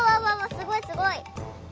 すごいすごい！